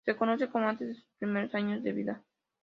Se conoce poco antes de sus primeros años de vida.